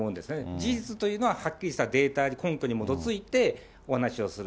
事実というのははっきりしたデータなり根拠に基づいてお話をする。